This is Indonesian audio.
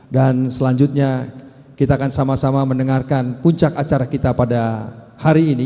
dan selanjutnya kita akan sama sama mendengarkan puncak acara kita pada hari ini